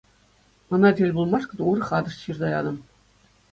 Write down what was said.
Ӑна тӗл пулмашкӑн урӑх адрес ҫырса ятӑм.